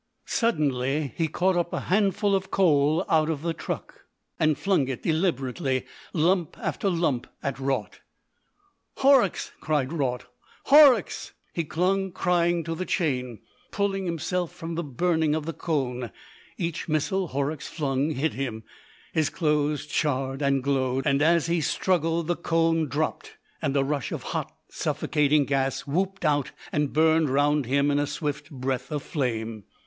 Suddenly he caught up a handful of coal out of the truck, and flung it deliberately, lump after lump, at Raut. "Horrocks!" cried Raut. "Horrocks!" He clung crying to the chain, pulling himself up from the burning of the cone. Each missile Horrocks flung hit him. His clothes charred and glowed, and as he struggled the cone dropped, and a rush of hot suffocating gas whooped out and burned round him in a swift breath of flame.